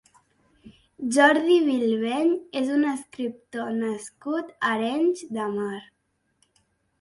Jordi Bilbeny és un escriptor nascut a Arenys de Mar.